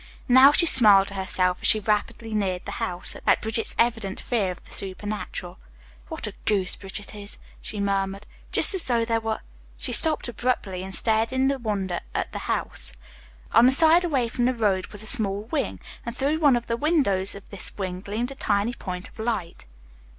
Now, she smiled to herself as she rapidly neared the house, at Bridget's evident fear of the supernatural. "What a goose Bridget is," she murmured. "Just as though there were " She stopped abruptly and stared in wonder at the old house. On the side away from the road was a small wing, and through one of the windows of this wing gleamed a tiny point of light.